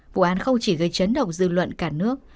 vụ án không chỉ gây chấn động dư luận cả nước